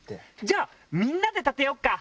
じゃあみんなで立てよっか。